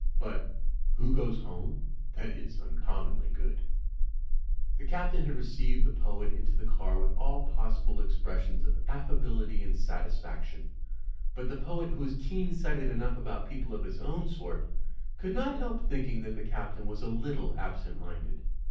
"But, Who goes home?' — that is uncommonly good." The Captain had received the poet into the car with all possible expressions of affability and satisfaction, but the poet, who was keen sighted enDugh about people of his own sort, could not help thinking that ^ 2180 u,y,uz. Buuy ^.^^3.1^ THE ROAD TO ROUNDABOUT 261 the Captain was a little absent minded.